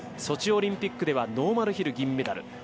ソチオリンピックではノーマルヒル銀メダル。